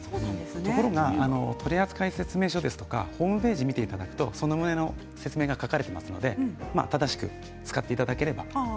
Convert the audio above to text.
ところが、取扱説明書ですとかホームページを見ていただくとその旨の説明が書かれていますので正しく使っていただければ。